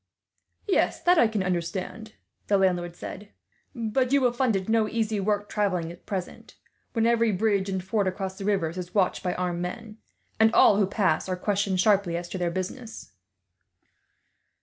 "Yes, that I can understand," the landlord said; "but you will find it no easy work travelling, at present; when every bridge and ford across the rivers is watched by armed men, and all who pass are questioned, sharply, as to their business."